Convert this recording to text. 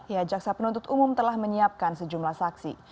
ya jaksa penuntut umum telah menyiapkan sejumlah saksi